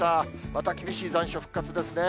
また厳しい残暑、復活ですね。